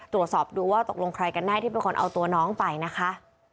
ตรวจสอบดูว่าตกลงใครกันแน่ที่เป็นคนเอาตัวน้องไปนะคะ